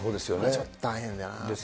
ちょっと大変だな。